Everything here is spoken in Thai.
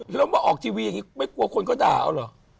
แล้วมาออกทีวีอย่างนี้ไม่กลัวคนก็ด่าเอาเหรอ